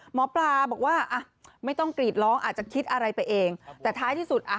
หมอปลาบอกว่าอ่ะไม่ต้องกรีดร้องอาจจะคิดอะไรไปเองแต่ท้ายที่สุดอ่ะ